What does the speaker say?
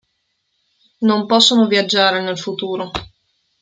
Non possono viaggiare nel futuro.